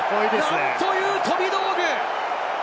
なんという飛び道具！